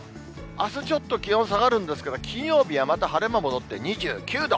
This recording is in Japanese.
あすちょっと気温下がるんですけど、金曜日はまた晴れ間戻って２９度。